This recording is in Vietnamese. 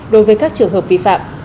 đối với các trường hợp vi phạm